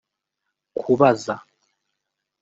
kubaza